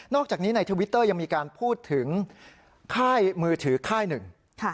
อกจากนี้ในทวิตเตอร์ยังมีการพูดถึงค่ายมือถือค่ายหนึ่ง